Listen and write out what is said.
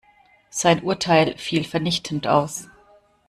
Sein Urteil fiel vernichtend aus.